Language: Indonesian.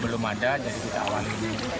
belum ada jadi kita awali